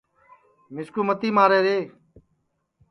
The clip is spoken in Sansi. مِسکُو متی مارے رے